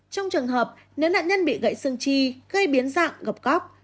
trong trường hợp nếu nạn nhân bị gãy xương chi gây biến dạng gặp góc